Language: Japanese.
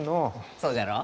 そうじゃろう？